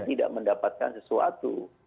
tidak mendapatkan sesuatu